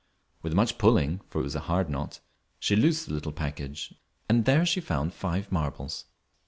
With much pulling, for it was a hard knot, she loosed the little package, and there she found five marbles.